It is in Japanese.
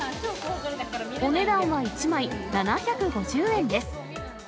お値段は１枚７５０円です。